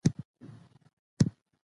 که ټایر بدل کړو نو ټکر نه کیږي.